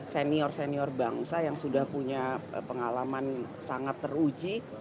senior senior bangsa yang sudah punya pengalaman sangat teruji